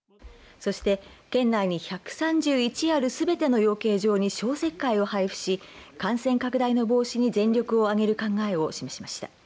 そして県内に１３１あるすべての養鶏場に消石灰を配付し感染拡大の防止に全力を挙げる考えを示しました。